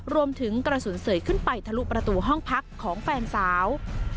รวมถึงกระสุนเสยขึ้นไปทะลุประตูห้องพักของแฟนสาว